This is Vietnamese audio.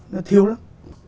nó thiếu lắm